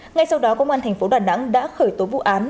ngay sau đó công an thành phố đà nẵng đã khởi tố vụ án